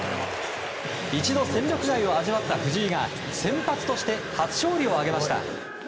一度、戦力外を味わった藤井が先発として初勝利を挙げました。